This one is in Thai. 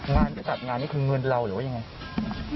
งานที่จัดงานนี่คือเงินเราหรือว่ายังไง